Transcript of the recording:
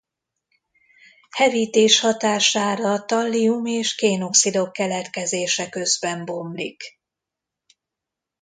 Hevítés hatására tallium- és kén-oxidok keletkezése közben bomlik.